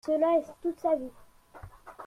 Cela est toute sa vie.